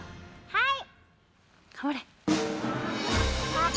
はい。